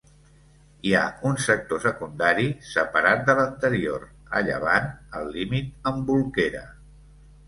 Hi ha un sector secundari, separat de l'anterior, a llevant, al límit amb Bolquera.